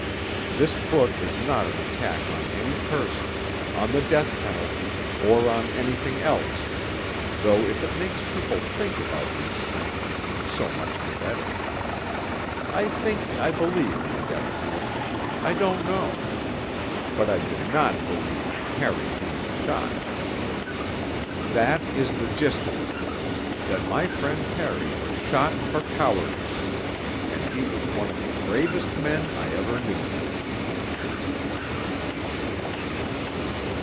This book is not an attack on any person, on the death penalty, or on anything else, though if it makes people think about these things, so much the better. I think I believe in the death penalty I don't know. But I did not believe in Harry being shot. That is the gist of it; that my friend Harry was shot for cowardice and he was one of the bravest men I ever knew.